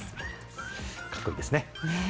かっこいいですね。